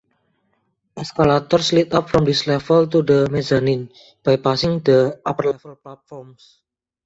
Escalators lead up from this level to the mezzanine, bypassing the upper-level platforms.